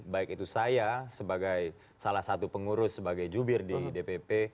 baik itu saya sebagai salah satu pengurus sebagai jubir di dpp